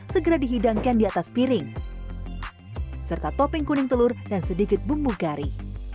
segera dihidangkan di atas piring serta topeng kuning telur dan sedikit bumbu gari